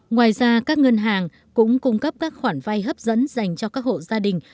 ngoài ra các ngân hàng cũng cung cấp các khoản vay hấp dẫn dành cho các hộ gia đình